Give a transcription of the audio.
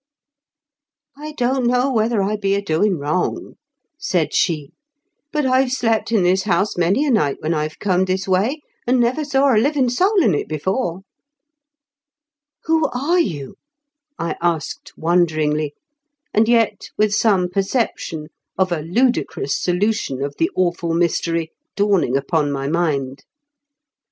" I don't know whether I be a doin' wrong," said she, " but I've slept in this house many a night when I've corned this way, and never saw a livin' soul in it before." "Who are you?" I asked, wonderingly, and yet with some perception of a ludicrous solution of the awful mystery dawning upon my mind. 242 IN KENT WITH 0HABLE8 BI0KEN8.